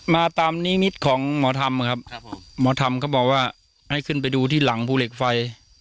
มาตามนิมิตของหมอธรรมครับผมหมอธรรมก็บอกว่าให้ขึ้นไปดูที่หลังภูเหล็กไฟ